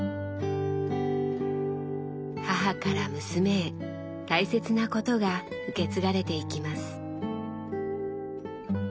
母から娘へ大切なことが受け継がれていきます。